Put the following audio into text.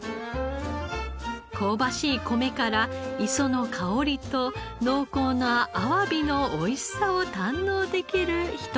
香ばしい米から磯の香りと濃厚なあわびのおいしさを堪能できるひと品です。